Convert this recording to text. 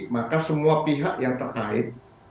maka semua pihak yang terkait